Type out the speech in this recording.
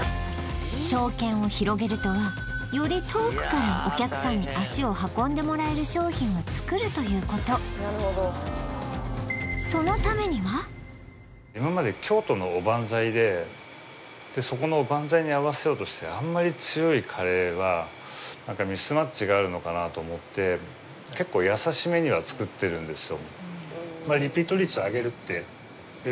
商圏を広げるとはより遠くからお客さんに足を運んでもらえる商品を作るということ今まで京都のおばんざいでそこのおばんざいに合わせようとしてあんまり強いカレーはミスマッチがあるのかなと思って結構優しめには作ってるんですよ